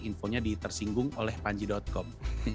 infonya di tersinggung oleh panji com